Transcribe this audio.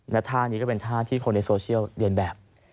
และท่านี้ก็เป็นท่าที่คนในโซเชียลเรียนแบบ